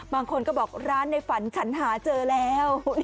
บางคนก็บอกร้านในฝันฉันหาเจอแล้ว